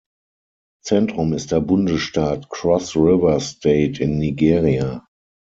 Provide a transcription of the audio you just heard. Zentrum ist der Bundesstaat Cross River State in Nigeria.